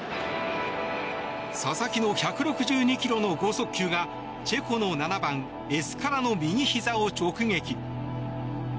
佐々木の１６２キロの豪速球がチェコの７番エスカラの右ひざを直撃。